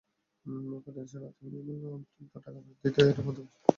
ফেডারেশনকে আর্থিক অনিয়মের অতিরিক্ত টাকা ফেরত দিতে এরই মধ্যে চিঠিও দেওয়া হয়েছে।